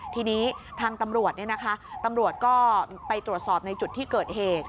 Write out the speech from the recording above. ทีนี้ทางตำรวจตำรวจก็ไปตรวจสอบในจุดที่เกิดเหตุ